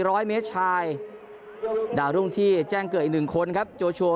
ร้อยเมตรชายดาวรุ่งที่แจ้งเกิดอีกหนึ่งคนครับโจชัวร์